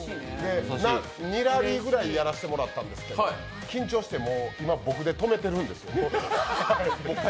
２ラリーぐらいやらせてもらったんですけど、緊張して今僕で止めてるんですよ。